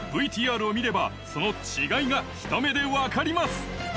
ＶＴＲを見ればその違いがひと目で分かります。